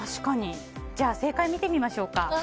じゃあ正解を見てみましょうか。